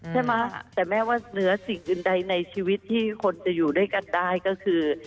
ใช่ไหมแต่แม่ว่าเหนือสิ่งอื่นใดในชีวิตที่คนจะอยู่ด้วยกันได้ก็คือ